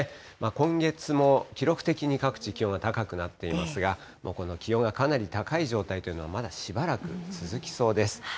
今月も記録的に各地、気温が高くなっていますが、この気温がかなり高い状態というのは、まだしばらく続きそうです。